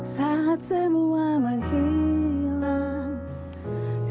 saat semua menghilang